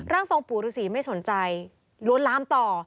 ทรงปู่ฤษีไม่สนใจล้วนลามต่อ